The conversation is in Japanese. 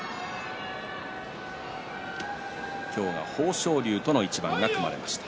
今日、豊昇龍との一番が組まれました。